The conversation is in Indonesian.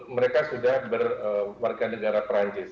mereka sudah berwarga negara perancis